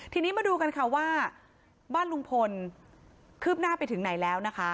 ทีนี้มาดูกันค่ะว่าบ้านลุงพลคืบหน้าไปถึงไหนแล้วนะคะ